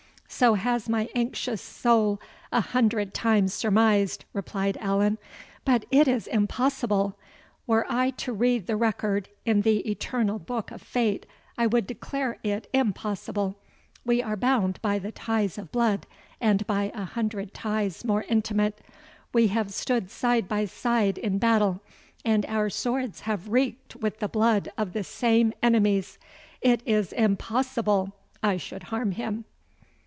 "So has my anxious soul a hundred times surmised," replied Allan. "But it is impossible! Were I to read the record in the eternal book of fate, I would declare it impossible we are bound by the ties of blood, and by a hundred ties more intimate we have stood side by side in battle, and our swords have reeked with the blood of the same enemies it is IMPOSSIBLE I should harm him!"